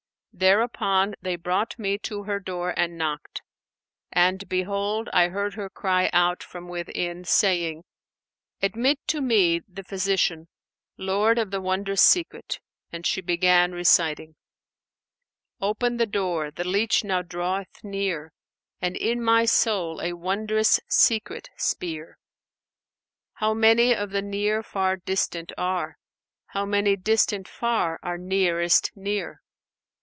Thereupon they brought me to her door and knocked; and behold, I heard her cry out from within, saying, 'Admit to me the physician, lord of the wondrous secret!' And she began reciting, 'Open the door! the leach now draweth near; * And in my soul a wondrous secret speer: How many of the near far distant are![FN#490] * How many distant far are nearest near!